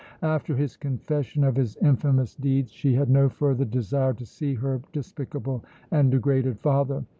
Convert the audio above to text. After his confession of his infamous deeds she had no further desire to see her despicable and degraded father.